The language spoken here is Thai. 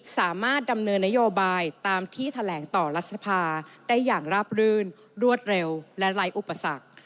สามารถดำเนินนโยบายตามที่แถลงต่อรัฐสภาได้อย่างราบรื่นรวดเร็วและไร้อุปสรรค